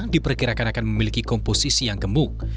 diperkirakan akan memiliki komposisi yang gemuk